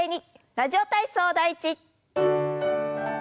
「ラジオ体操第１」。